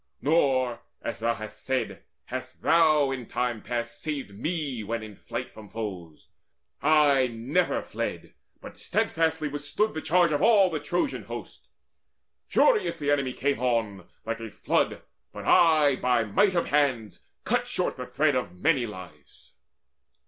Nor, as thou hast said, Hast thou in time past saved me when in flight From foes. I never fled, but steadfastly Withstood the charge of all the Trojan host. Furious the enemy came on like a flood But I by might of hands cut short the thread Of many lives.